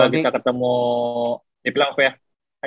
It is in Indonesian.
semoga kita ketemu di playoff ya